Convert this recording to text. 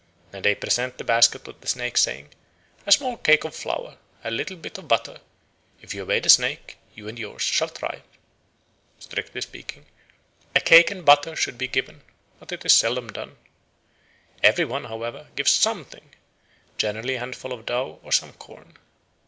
Then they present the basket with the snake, saying: "A small cake of flour: a little bit of butter: if you obey the snake, you and yours shall thrive!" Strictly speaking, a cake and butter should be given, but it is seldom done. Every one, however, gives something, generally a handful of dough or some corn.